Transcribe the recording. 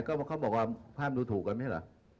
ก็เขาบอกว่าภาพดูถูกกันไม่ใช่เหรอ